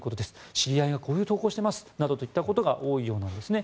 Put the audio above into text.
知り合いがこういう投稿をしていますといったことが多いようなんですね。